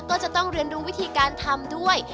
ก็จะต้องเรียนรู้วิธีการทำด้วย